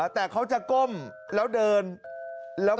แต่เขาจะก้มแล้วเดินแล้วก็